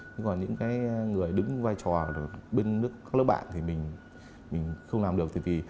nhưng mà những người đứng vai trò bên nước các lớp bạn thì mình không làm được